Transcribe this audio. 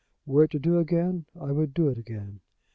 Were it to do again, I would do it again."